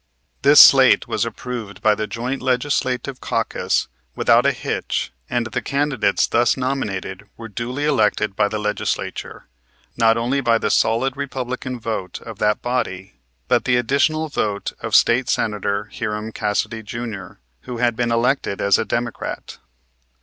This slate was approved by the joint legislative caucus without a hitch and the candidates thus nominated were duly elected by the Legislature, not only by the solid Republican vote of that body, but the additional vote of State Senator Hiram Cassidy, Jr., who had been elected as a Democrat.